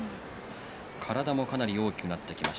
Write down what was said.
体も大きくなってきました。